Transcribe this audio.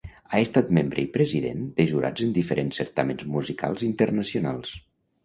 Ha estat membre i president de jurats en diferents certàmens musicals internacionals.